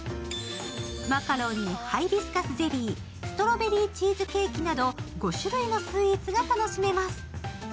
マカロンにハイビスカスゼリー、ストロベリーチーズケーキなど５種類のスイーツが楽しめます。